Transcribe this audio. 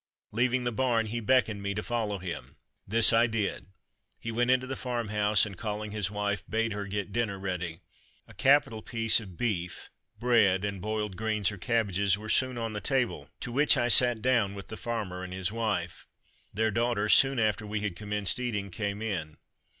Leaving the barn, he beckoned me to follow him. This I did. He went into the farm house, and, calling his wife, bade her get dinner ready. A capital piece of beef, bread, and boiled greens or cabbages were soon on the table, to which I sat down with the farmer and his wife. Their daughter, soon after we had commenced eating, came in.